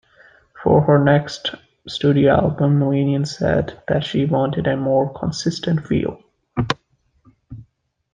For her next studio album, Milian said that she wanted a more consistent feel.